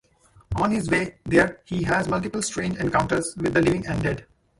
On his way there, he has multiple strange encounters with the living and dead.